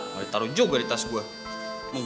mau ditaruh juga di tas gue